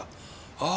ああ。